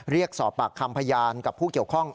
เรียกสอบปากคำพยานกับผู้เกี่ยวข้อง